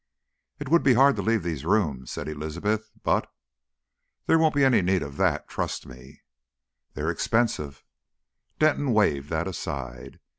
"It would be hard to leave these rooms," said Elizabeth; "but " "There won't be any need of that trust me." "They are expensive." Denton waved that aside.